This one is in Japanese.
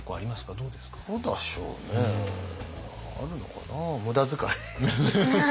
どうでしょうねあるのかな？